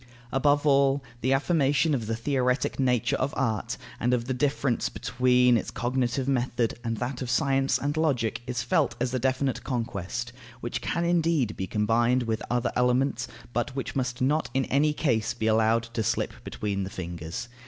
Above all, the affirmation of the theoretic nature of art, and of the difference between its cognitive method and that of science and of logic, is felt as a definite conquest, which can indeed be combined with other elements, but which must not in any case be allowed to slip between the fingers.